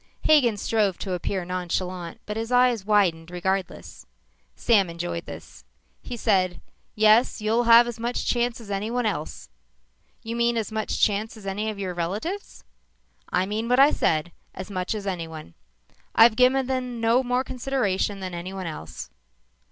Hagen strove to appear nonchalant but his eyes widened regardless. Sam enjoyed this. He said, "Yes, you'll have as much chance as anyone else." "You mean as much chance as any of your relatives?" "I mean what I said as much as anyone. I've given them no more consideration than anyone else."